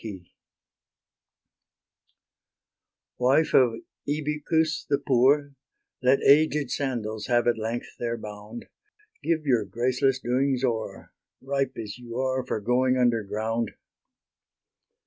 Wife of Ibycus the poor, Let aged scandals have at length their bound: Give your graceless doings o'er, Ripe as you are for going underground.